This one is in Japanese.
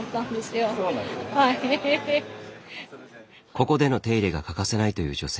ここでの手入れが欠かせないという女性。